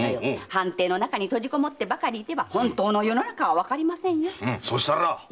藩邸に閉じこもっていては本当の世の中はわかりませんよって。